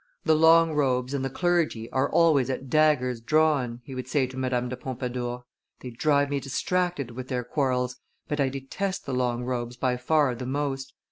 "The long robes and the clergy are always at daggers drawn," he would say to Madame de Pompadour "they drive me distracted with their quarrels, but I detest the long robes by far the most.